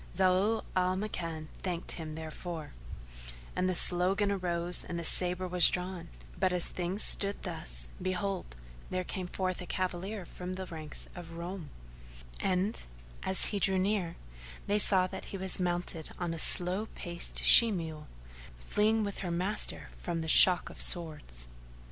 Zau al Makan thanked him therefor, and the slogan arose and the sabre was drawn; but, as things stood thus, behold, there came forth a cavalier from the ranks of Roum; and, as he drew near, they saw that he was mounted on a slow paced she mule, fleeing with her master from the shock of swords.